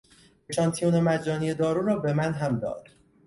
اشانتیون مجانی دارو را به من هم داد.